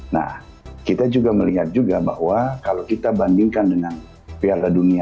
nah kita juga melihat juga bahwa kalau kita bandingkan dengan piala dunia